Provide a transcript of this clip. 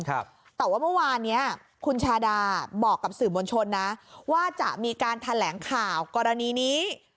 แต่ว่าเมื่อวานเนี้ยคุณชาดาบอกกับสื่อมวลชนนะว่าจะมีการแถลงข่าวกรณีนี้